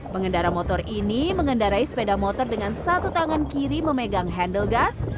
pengendara motor ini mengendarai sepeda motor dengan satu tangan kiri memegang handle gas